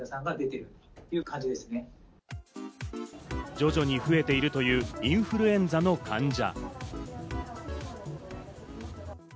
徐々に増えているというインフルエンザの患者。